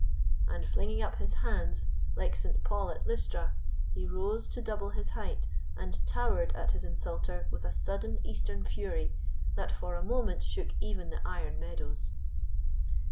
And flinging up his hands, like St. Paul at Lystra, he rose to double his height and towered at his insulter with a sudden Eastern fury that for a moment shook even the iron Meadows.